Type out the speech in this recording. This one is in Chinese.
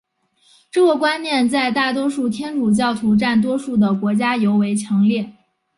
这个观念在大多数天主教徒占多数的国家尤为强烈。